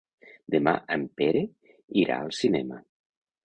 Demà en Pere irà al cinema.